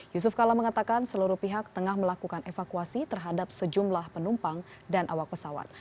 yusuf kala mengatakan seluruh pihak tengah melakukan evakuasi terhadap sejumlah penumpang dan awak pesawat